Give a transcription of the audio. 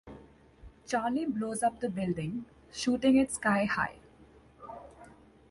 Charlie blows up the building, shooting it sky-high.